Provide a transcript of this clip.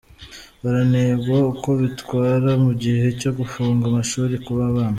Baranengwa uko bitwara mugihe cyo gufunga amashuri kw’abana.